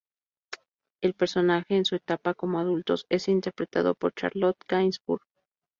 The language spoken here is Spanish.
El personaje en su etapa como adulto es interpretado por Charlotte Gainsbourg.